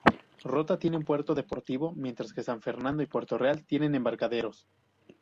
Rota tiene un puerto deportivo, mientras que San Fernando y Puerto Real tienen embarcaderos.